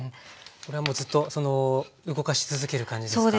これはずっと動かし続ける感じですか？